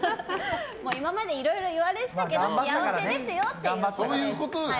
今までいろいろ言われてたけど幸せですよっていうことです。